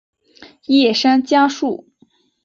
叶山嘉树。